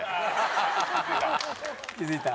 気付いた。